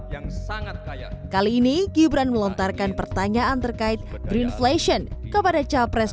yang sangat kaya kali ini gibran melontarkan pertanyaan terkait greenflation kepada cawapres